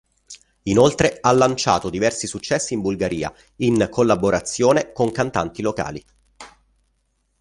Inoltre ha lanciato diversi successi in Bulgaria, in collaborazione con cantanti locali.